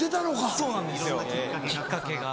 そうなんですよきっかけが。